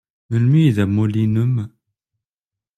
Melmi ay d amulli-nnem?